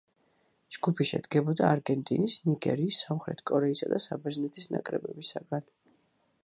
ჯგუფი შედგებოდა არგენტინის, ნიგერიის, სამხრეთ კორეისა და საბერძნეთის ნაკრებებისგან.